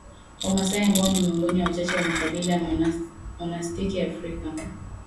Wamasai ambao ni miongoni ya wachache wa makabila ya Monastiki Afrika